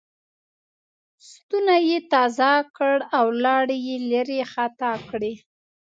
ستونی یې تازه کړ او لاړې یې لېرې خطا کړې.